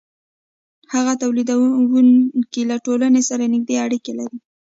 هغه تولیدونکی له ټولنې سره نږدې اړیکې لري